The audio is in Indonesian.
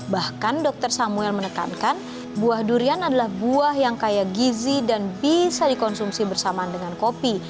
bahkan dokter samuel menekankan buah durian adalah buah yang kaya gizi dan bisa dikonsumsi bersamaan dengan kopi